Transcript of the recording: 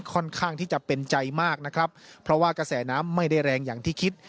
ค่อนข้างที่จะเป็นใจมากนะครับเพราะว่ากระแสน้ำไม่ได้แรงอย่างที่คิด